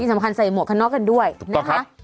ยิ่งสำคัญใส่หมวกข้างนอกกันด้วยถูกต้องครับนะฮะ